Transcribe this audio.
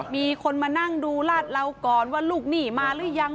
มีคนมานั่งดูลาดเราก่อนว่าลูกหนี้มาหรือยัง